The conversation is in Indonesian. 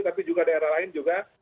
tapi juga daerah lain juga